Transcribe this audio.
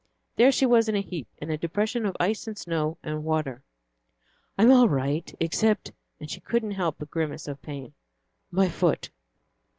There she was in a heap, in a depression of ice and snow and water. "I'm all right, except" and she couldn't help a grimace of pain "my foot."